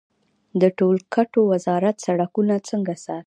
د ټولګټو وزارت سړکونه څنګه ساتي؟